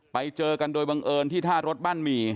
ไปเจอกันโดยบังเอิญที่ท่ารถบ้านหมี่